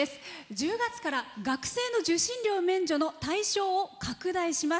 １０月から学生の受信料免除の対象を拡大します。